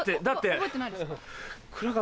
覚えてないですか？